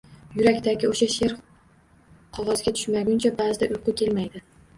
Yurakdagi o‘sha she’r qog‘ozga tushmaguncha ba’zida uyqu kelmaydi.